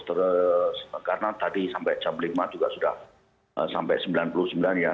terus karena tadi sampai jam lima juga sudah sampai sembilan puluh sembilan ya